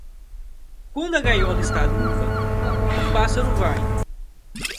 Quando a gaiola está limpa, o pássaro vai.